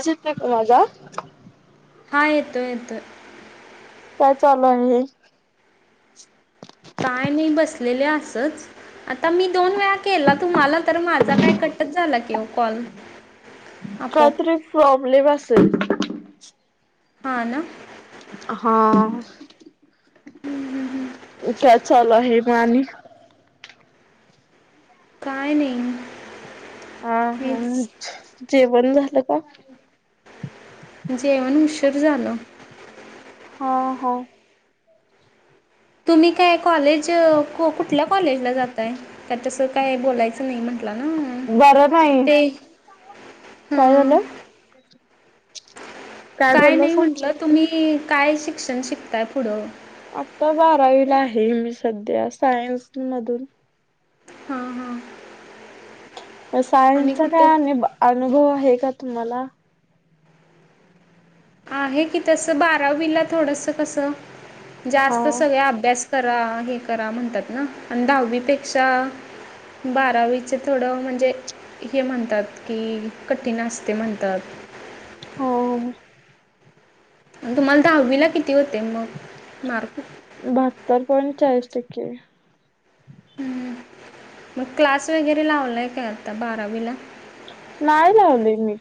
असच एक [unintelligible] हा [unintelligible] काय चालू आहे? काय नि बसलेले आसच. आता मी दोन वेळा केला तुम्हाला तर माझा काय कटच झाला कि ओ कॉल. काय आपोआप तरी फ्रॉक स. हा ना. हा. उ का चालू आहे मा आणि काय नाही. आ हा हेच जेवण झालं का? जेवण उशीर झालं. हा हा. तुम्ही काय कॉलेज कुठल्या कॉलेजला जाताय? का तसं काय बोलायचं नाही म्हटलं. ना बरं नाही. ते काय हां झालं? काय नाही म्हंटलं तुम्ही काय शिक्षण शिकताय पुढं? आता बारावीला आहे मी सध्या सायन्स मधून हां हां आणि सायन्सचा कुठे काय अु अनुभव आहे का तुम्हाला? आहे की तस बारावीला थोडस कस हा. जास्त सगळ अभ्यास करा हे करा म्हणतात ना आणि दहावीपेक्षा बारावीच थोडं म्हणजे हे म्हणतात की कठीणस्ते म्हणतात हो तुम्हाला दहावीला किती होते मग? मार्क बहात्तर पॉइंट चाळीस टके हम्म मग क्लास वगैरे लावलाय का आता बारावीला? नाही लावले मी.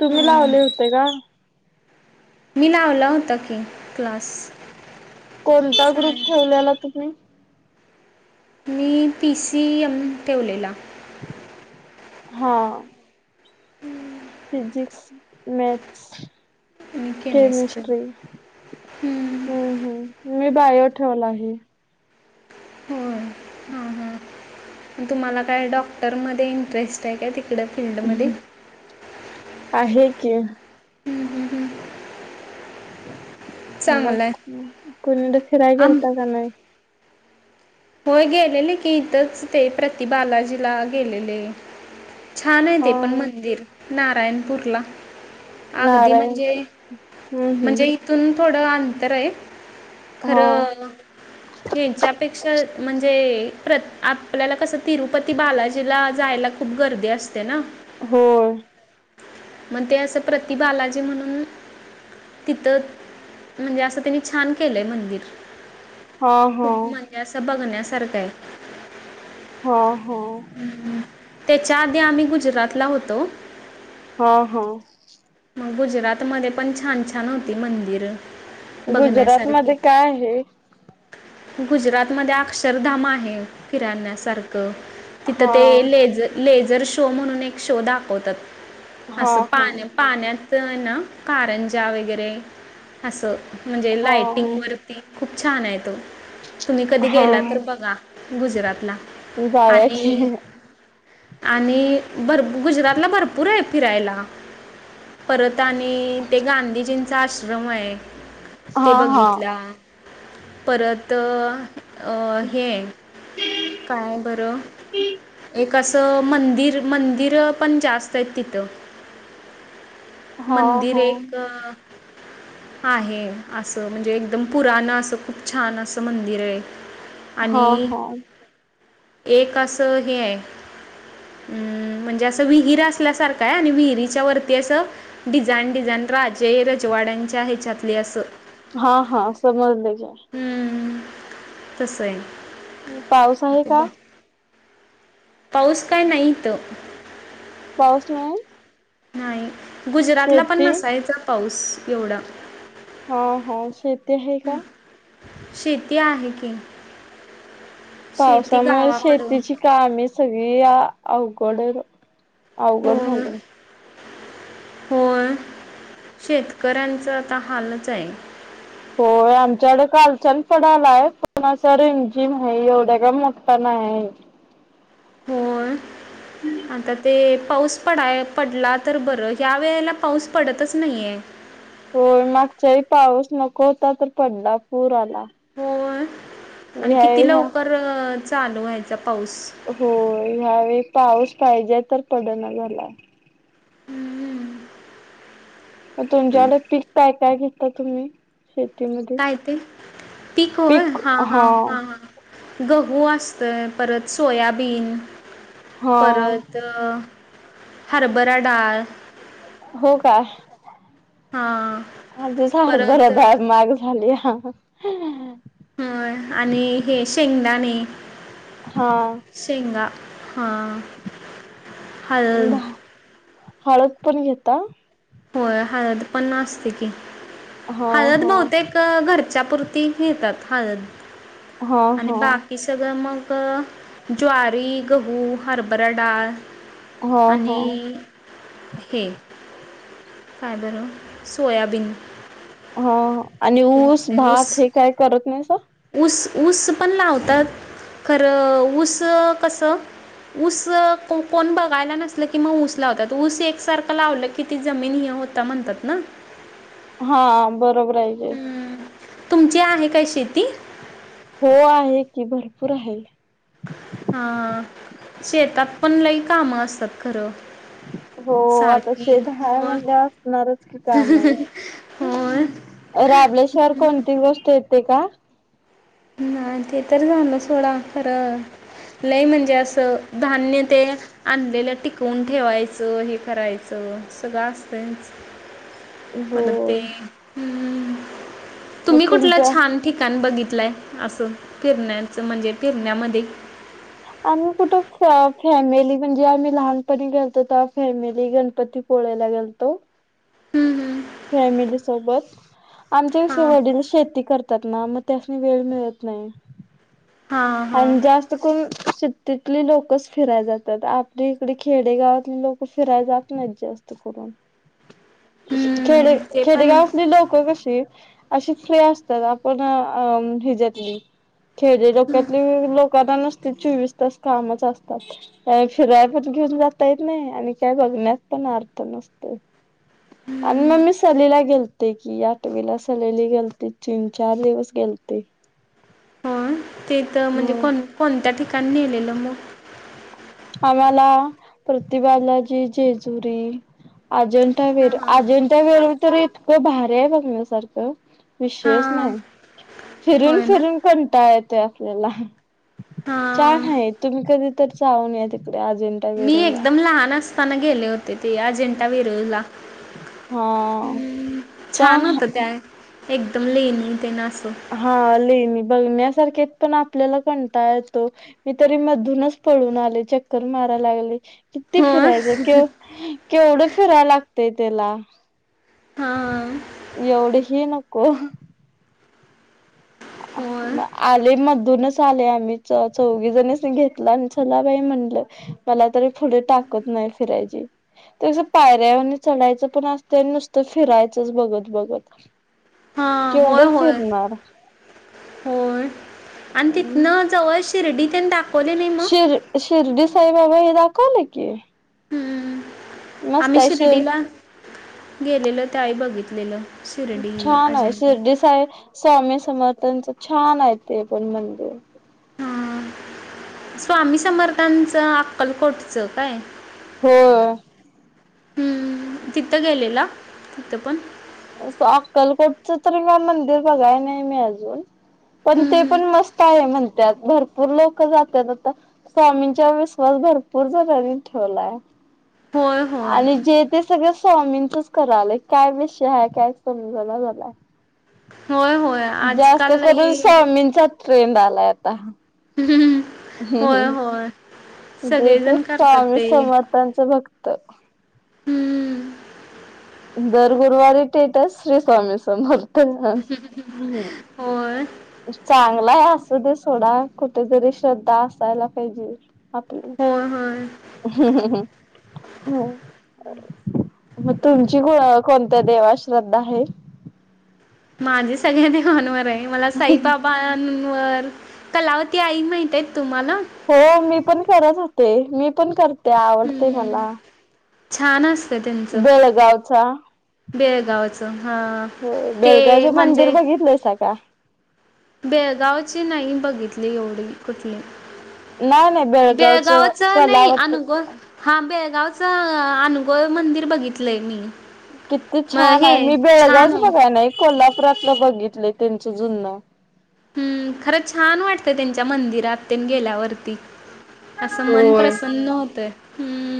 तुम्ही हं. लावले होते का? मी लावला होता की क्लास कोणता ग्रुप साय ठेवलेला तुम्ही? मी पी सी एम ठेवलेला हा हम्म फिजिक्स, मॅथस केमिस्ट्री हं. हम्म हम् म बायो ठेवला आहे होय ह, ह तुम्हाला काय डॉक्टरमध्ये इंटरेस्ट आहे का? त इकड्या फिल्डमध्ये? आहे की मग चांगलं आहे कुणीकड फिराय आम गेलता का नाही? होय गेलेले की, इथंच ते प्रतिबालाजीला गेलेले छान आहे हा ते पण मंदिर नारायणपूरला अगदी नारायण म्हणजे, हम्म म्हणजे हम्म इथून थोडं अंतर आहे हा खरं ह्याच्यापेक्षा ते प्रत आपल्याला कसं तिरुपती बालाजीला जायला खूप गर्दी असते ना? होय मग ते असं प्रति बालाजी म्हणून तिथं म्हणजे असं त्यांनी छान केलंय मंदिर. हा हा खूप म्हणजे असं बघण्यासारखं आहे. हो, हो. त्याच्या आधी आम्ही गुजरातला होतो. हा, हा. गुजरातमध्ये पण छान छान होती मंदिर. गुजरात मध्ये काय आहे? गुजरातमध्येध्ये अक्षरधाम आहे फिराण्यासारखं हा तिथं ते लेझ लेझर शो म्हणून एक शो दाखवतात हा, असं हा पाण्या पाण्यात ना कारंजा वगैरे असं म्हणजे हा लाईटिंग वरती खूप छान आहे तो तुम्ही कधी गेला तर बघा गुजरातला जावया की आणि आणि भर गुजरातला भरपूर आहे फिरायला परत आणि ते गांधीजींचा आश्रम हाय हा ते हा बघितला परत अ हे काय बरं एक अस अं मंदिर, मंदिरं पण जास्त आहेत तिथं हा मंदिर हा एकं आहे असं म्हणजे एकदम पुराण असं खूप छान असं मंदिर य हा आणि हा एक असं हे हाय म्हणजे अस विहीर असल्यासारख हाय आणि विहीरीच्या वर ती डिझाइन, डिझाइन राजे रजवाड्यांच्या ह्याच्यातली, असं हा, हा समजलं की हम्म, तसं य पाऊस आहे का. पाऊस काय नाही हीत. पाऊस नाई नाही,,, गुजरातला पण नसायचा पाऊस,,, एवढा. हा हा शेती आहे का. शेती आहे की.. शेती पावसामुळे गावाकडं शेतीची कामे सगळी अवघडऽऽ अवघड होय झालंय. होय,, शेतकऱ्यांचं आता हालचं हाय. होय, आमच्याकडं कालचान पडालाय पणा असं रिंमझीम आय, एवढा काय मोठा नाय. हाय. होय, आता तेऽऽ पाऊस पडाय पडला तर बरं,, ह्या वेळेला पाऊस पडतच नाही येय. होय, मागच्यावेळी पाऊस नको होता तर पडला, पूर आला. होय, आणि ह्या किती ह्या लवकर अंऽऽ चालू व्हायचा पाऊस. होय, ह्यावेळी पाऊस पाहिजे तर पडना झालाय. हम्मम्म तुमच्याकडं पिक काय, काय घेताय तुम्ही. शेतीमध्ये काय ते,, पीक वय,,, हा हा हा हा गऽऽ हू असतोय, परत सोयाबीन, हा परतऽऽ हरभरा डाळ. हो काय. हां आधिच हरभरा परत डाळ म्हाग झालीयाऽऽ होय,, आणि हे शेंगदाणे,,, हा शेंगा. हा, हल. हळद पण घेता. होय, हळद पण असते की,, हा हळद हा बहुतेकं घरऽऽ च्यापुरती घेतात हळद,, हा आणि हा बाकी सगळं मगऽऽ मगं,, ज्वारी, गहू, हरभरा डाळ हा हा आणि,, हे‌. काय बरं,,,, सोयाबीन. हो,,, आणि ते ऊस,, असते भात ऊस हे काय करत नाहीस. ऊस,,, ऊस पण लावतात,,, खरं,, ऊस कसं.. ऊस क कोण बघायला नसल की मग ऊस लावतात ऊस एकसारखं लावलं की ती जमीन ये होत म्हणतात ना हा बरोबर आहे हम्म. तुमची आहे काय शेती हो आहे की भरपूर आहे हा शेतात पण लई कामं असतात खरं हो आता सारखी शेत हय होय म्हणल्यावर असणारच की काम होय आह राबळेश्वर कोणती गोष्ट येते का नाही ते तर झाल सोडा खरं लय म्हणजे असं धान्य ते आणलेलं टिकवून ठेवायचं हे करायचं सगळं असत प ते हो ह् मग तुम्ही कुठला तुमच्या छान ठिकाण बघितलाय असं फिरण्याचं म्हणजे फिरण्यामध्ये आम्ही कुठ फॅ फॅमिली म्हणजे आम्ही लहानपणी गेलतो तवा फॅमिली गेलतो पोळयला गेलतो हम् हम्म फॅमिली सोबत आमचे कसं हां वडील शेती करत. त्यात ना मग त्यास्नी वेळ मिळत नाही. हां हां आणि जास्त करून शरातली लोकचं फिराय जात्यात आपली इकडे खेडेगावातली लोक फिराय जात नाहीत जास्त. हम्म, खेडे ते पण खेडेगावातली लोक कशी अशी फ्री असतात आपण अम अ ह्याज्यातली खेडे. लोकांना नुसतं चोवीस तास कामच असतात काय फिराय कुठं घिऊन जाता येत नाही. आणि काय बघण्यात पण अर्थ नसतय. आणि मग मी सलीला गेलतो की आठवीला सलीली गेलते तीन चार दिवस गेलते. ते. तिथं म्हणजे कोण कोणत्या ठिकाणी नेलेलं मग आम्हाला प्रतिभाला जी जेजुरी. अजंठा हां वर हां अजंठा वर तर इतकं भार आहे बघण्यासारखं. विषयच हां नाही फिरून होय ना फिरून कंटाळा येतोय आपल्याला छान हां हाय तुम्ही कधी तर जाऊन या तिकडे आज. मी एकदम लहान असताना गेले होते ते अजिंठा वेरूळ ला. हा. हम् छान होत त्या एकदम लेणी तेन असं. हा लेणी बघण्यासारखेत पण आपल्याला कंटाळा येतोय मी तरी मधूनच पळून आले चक्कर मार मला बोलली की किती हो फिराय केवढं फिराय लागतंय त्यला हा. यु नको. होय आले मधूनच आले आम्ही च चौघीजनीसनी घेतलं आणि चला बाई. मला तर पुढे ताकत नाही फिरायची त्यास पायऱ्यावर न चढायचं ते न तर नुसतं फिरायचंच बघत बघत हां होय केवढं होय फिरणार. होय आणि तिथनं जवळ शिर्डीाव. शिर शिरडी साईबाबा हे दाकवल कि हम्म. आम्ही शिर्डीला गेलेलो त्यावेळी बघितलेल. छान आहे शिर्डी साहेब स्वामी समर्थानच छान आहे ते पण मंदिर. हां स्वामी समर्थांचं अक्कलकोटचं काय? हो. हम्म तिथं गेलेला तिथं पण. अस अक्कलकोटच तरी म मंदिर बघाय नाही मी अजून पण हम्म, ते हम्म. पण मस्त आहे म्हण. त्यात भरपूर लोक जातात आता स्वामींचा विश्वास भरपूर जणारनी ठेवलाय. होय, होय. आणि जे ते सगळं स्वामींचच करालंय काय विषय ह काय समजला झालाय. होय, होय. जास्त आजकाल करून लई सवामींचा ट्रेंड आलाय आता. ह् होय हम्म होय. जे ते सगळेजण करतात स्वामी ते. समर्थांचं भक्त. हम्म. दर गुरुवारी थेट श्री स्वामी समोर ह होय. चांग. ला अस दे सोडा कुठे जरी श्रद्धा असायला पाहिजे आपल्या होय, होय. हम्म हम् हम् ह म. कोणत्या देवाश्रद्धा आहे. माझे सग्यांनी माांवर आहे मला साईबाबा कलावती आई माहितय तुम्हाला? हो मी पण करत होते मी पण करते आवडतय हम्म. मला छान अस बेळगावचा बेळगावच हा हो ते बेळगावचं मंदिर म्हणजे बघितलंयसा का? बेळगावची नाही बघितली एवढी कुठली नाही नाही बेळगावच नाही कलावत अनुग हा बेळगा गावचं अनुगोव मंदिर बघितलं आहे मी किती मग छान आहे हे मी छान बेळगावच आहे बघाय नाही कोल्हापूर [inaudible] बघितलंय त्यांच जुन हम्म खरं छान वाटतंय त्यांच्या मंदिराततेन गेल्यावरती असं मन होय. प्रसन्न होतंय हम्